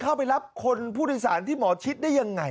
เข้าไปรับคนผู้โดยสารที่หมอชิดได้ยังไง